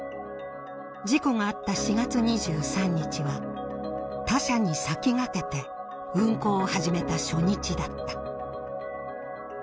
事故があった４月２３日は他社に先駆けて運航を始めた初日だった。